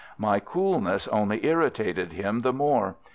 My coolness only irritated him the more.